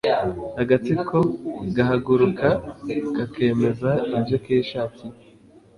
agatsiko gahaguruka kakemeza ibyo kishakiye